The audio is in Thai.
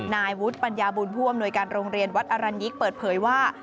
นายวุฒิปัญญาบุญผู้อำนวยการโรงเรียนวัดอรัญยิกเปิดเผยว่า